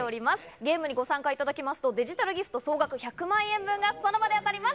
ゲームにご参加いただきますと、デジタルギフト総額１００万円がその場で当たります。